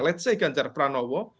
misalnya ganjar pranowo